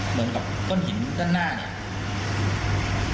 เหมือนกับก้อนหินด้านหน้าเนี่ย